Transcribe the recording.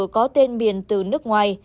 có tên miền từ nước ngoài